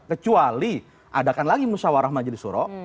kecuali adakan lagi musyawarah majelis suro